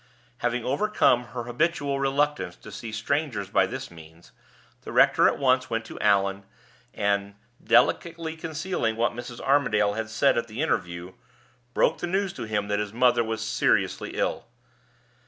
Having overcome her habitual reluctance to seeing strangers by this means, the rector at once went to Allan; and, delicately concealing what Mrs. Armadale had said at the interview, broke the news to him that his mother was seriously ill.